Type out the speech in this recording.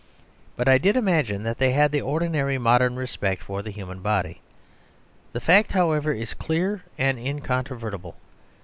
But I did imagine that they had the ordinary modern respect for the human body. The fact, however, is clear and incontrovertible.